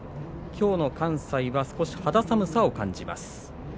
きょうの関西は少し肌寒さを感じます。